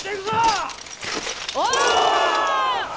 お！